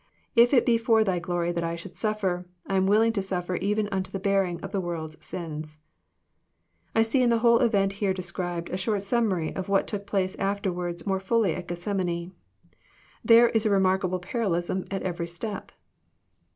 If it be for Thy glory that I should suffer, I am willing to suffer even unto the bearing of the world's sins." I see in the whole event here described, a short summary of what took place afterwards more fully at Gethsemane. There is a remarkable parallelism at every step.